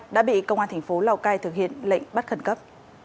đã bị công an thành phố lào cai thực hiện lệnh bắt khẩn cấp